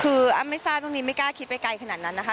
คืออ้ำไม่ทราบเรื่องนี้ไม่กล้าคิดไปไกลขนาดนั้นนะคะ